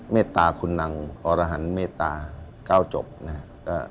เมตตาคุณนางอรหันเมตตา๙จบนะครับ